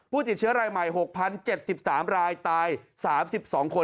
ติดเชื้อรายใหม่๖๐๗๓รายตาย๓๒คน